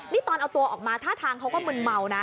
นี่ตอนเอาตัวออกมาท่าทางเขาก็มึนเมานะ